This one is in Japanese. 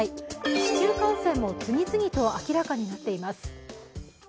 市中感染も次々と明らかになっています。